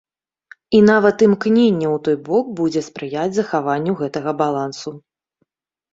І нават імкненне ў той бок будзе спрыяць захаванню гэтага балансу.